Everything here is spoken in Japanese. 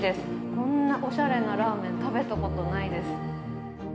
こんなおしゃれなラーメン食べたことないです。